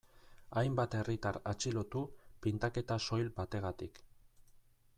Hainbat herritar atxilotu pintaketa soil bategatik.